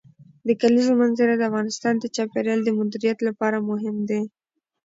د کلیزو منظره د افغانستان د چاپیریال د مدیریت لپاره مهم دي.